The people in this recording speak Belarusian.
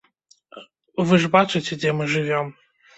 Вы ж бачыце, дзе мы жывём.